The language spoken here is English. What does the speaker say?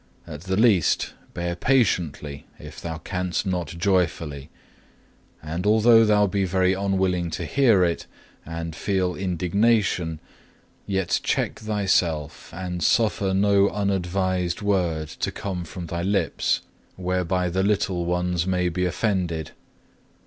At the least, bear patiently, if thou canst not joyfully. And although thou be very unwilling to hear it, and feel indignation, yet check thyself, and suffer no unadvised word to come forth from thy lips, whereby the little ones may be offended.